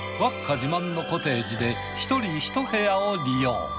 自慢のコテージで１人１部屋を利用。